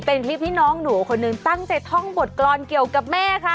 เป็นพี่น้องหนูคนหนึ่งตั้งใจท่องบทกรรมเกี่ยวกับแม่ค่ะ